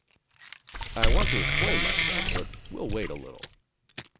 "I want to explain myself but we'll wait a little.